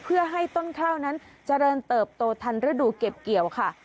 เพื่อให้ต้นข้าวนั้นเจริญเติบโตทันฤดูเก็บเกี่ยวค่ะ